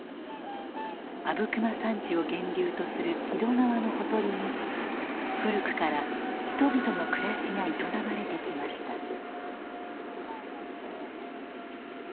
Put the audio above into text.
阿武隈山地を源流とする木戸川のほとりに古くから人々の暮らしが営まれてきました。